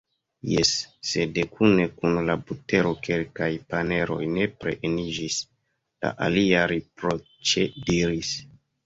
"Jes, sed kune kun la butero kelkaj paneroj nepre eniĝis," la alia riproĉe diris.